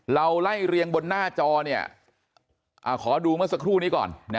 เราไล่เรียงบนหน้าจอเนี่ยอ่าขอดูเมื่อสักครู่นี้ก่อนนะฮะ